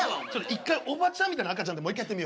一回おばちゃんみたいな赤ちゃんでもう一回やってみよう。